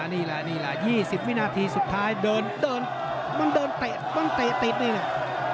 นี่แหละนี่แหละ๒๐วินาทีสุดท้ายเดินมันเดินเตะมันเตะติดนี่แหละ